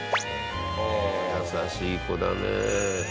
優しい子だね。